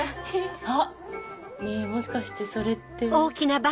あっ！ねぇもしかしてそれって。